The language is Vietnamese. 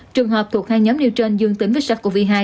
trường hợp thuộc hai nhóm neutron dương tính với sars cov hai